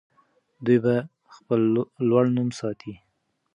دوی به خپل لوړ نوم ساتي.